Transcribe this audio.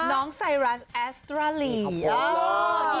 น้องไซรันแอสตราลี